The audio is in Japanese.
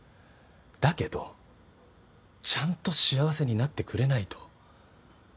だけどちゃんと幸せになってくれないと。